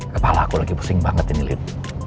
kepala aku lagi pusing banget ini lit